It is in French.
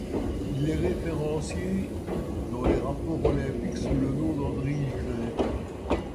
Il est référencé dans les rapports olympiques sous le nom d'André Higelin.